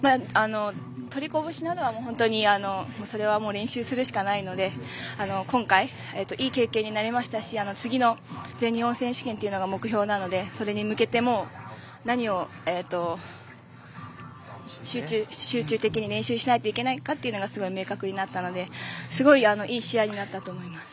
取りこぼしなどはそれは練習するしかないので今回、いい経験になりましたし次の全日本選手権というのが目標なのでそれに向けて、何を集中的に練習しないといけないかがすごく明確になったのですごい、いい試合になったと思います。